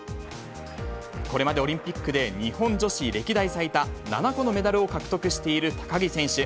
これまでオリンピックで日本女子歴代最多７個のメダルを獲得している高木選手。